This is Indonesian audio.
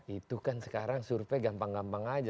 itu kan sekarang survei gampang gampang aja